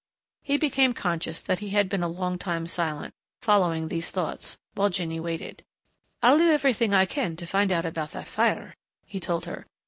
He became conscious that he had been a long time silent, following these thoughts, while Jinny waited. "I'll do everything I can to find out about that fire," he told her.